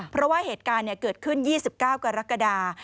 เพราะว่าเหตุการณ์เกิดขึ้น๒๙กรกฎา